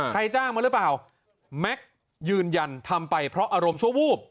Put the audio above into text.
จ้างมาหรือเปล่าแม็กซ์ยืนยันทำไปเพราะอารมณ์ชั่ววูบ